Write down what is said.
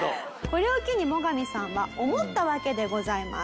これを機にモガミさんは思ったわけでございます。